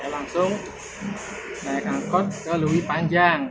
langsung naik angkot ke lui panjang